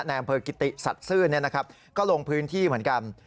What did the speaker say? นายอังเภอกิติสัตว์ซื่นนะครับก็ลงพื้นที่เหมือนกัน